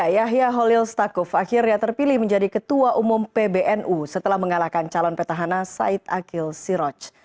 yahya holil stakuf akhirnya terpilih menjadi ketua umum pbnu setelah mengalahkan calon petahana said akil siroj